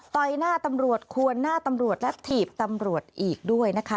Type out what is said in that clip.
หน้าตำรวจควนหน้าตำรวจและถีบตำรวจอีกด้วยนะคะ